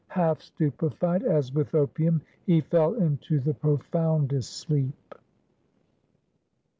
Half stupefied, as with opium, he fell into the profoundest sleep.